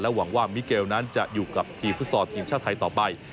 หวังว่ามิเกลนั้นจะอยู่กับทีมฟุตซอลทีมชาติไทยต่อไป